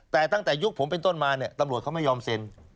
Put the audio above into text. แต่ตั้งแต่ยุคผมเป็นต้นมาเนี่ยตำรวจเขาไม่ยอมเซ็น